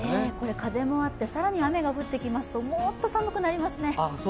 風もあって、更に雨が降ってきますともっと寒くなりますね。